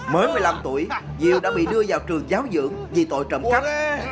mới một mươi năm tuổi diều đã bị đưa vào trường giáo dưỡng vì tội trộm cắp